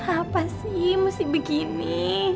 apa sih mesti begini